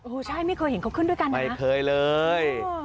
ใช่ไม่เคยเห็นเขาขึ้นด้วยกันนะไม่เคยเลย